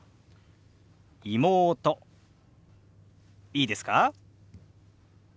いいですか？